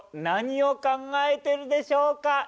何を考えてるでしょうか。